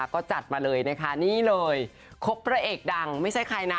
ก็จัดมาเลยนะคะนี่เลยครบพระเอกดังไม่ใช่ใครนะ